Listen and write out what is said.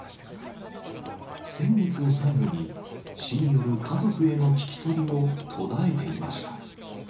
先月を最後に、市による家族への聞き取りも途絶えていました。